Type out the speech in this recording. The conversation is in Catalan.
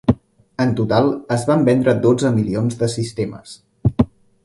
En total, es van vendre dotze milions de sistemes.